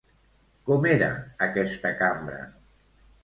Com era aquesta cambra?